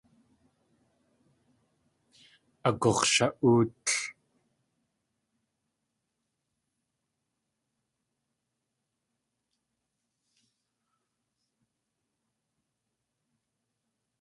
Agux̲sha.óotl.